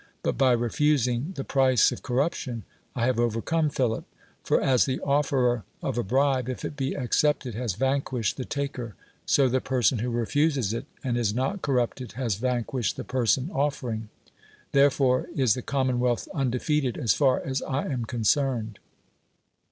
But by refusing the price of cor ruption I have overcome Philip ; for as the offerer of a bribe, if it be accepted, has vanquished the taker, so the person who refuses it and is not corrupted has vanquished the person offering. Therefore is the commonwealth undefeated as far as I am concerned.